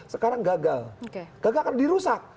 sekarang gagal gagal dirusak